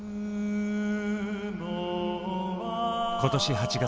今年８月。